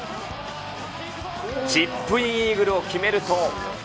チップインイーグルを決めると。